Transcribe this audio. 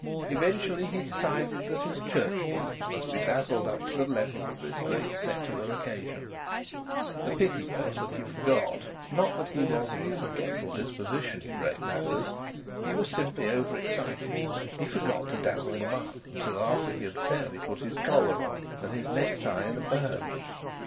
Eventually he decided that his church boots must be dazzled up to the level of this great secular occasion. The pity was that he forgot not that he was of a forgetful disposition in great matters; he was simply over excited he forgot to dazzle them up until after he had fairly put his collar on and his necktie in a bow.